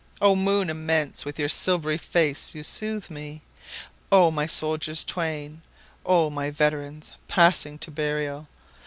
O moon immense, with your silvery face you soothe me!O my soldiers twain! O my veterans, passing to burial!